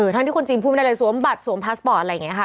ทั้งที่คนจีนพูดไม่ได้เลยสวมบัตรสวมพาสปอร์ตอะไรอย่างนี้ค่ะ